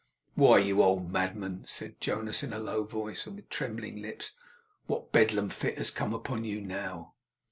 'Why, you old madman!' said Jonas, in a low voice, and with trembling lips. 'What Bedlam fit has come upon you now?